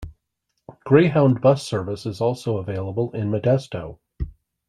Greyhound bus service is also available in Modesto.